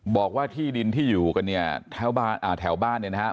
บอกว่าที่ดินที่อยู่กันเนี่ยแถวบ้านเนี่ยนะครับ